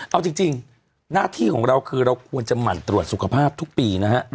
เอาจริงหน้าที่ของเราคือเราควรจะหมั่นตรวจสุขภาพทุกปีนะฮะ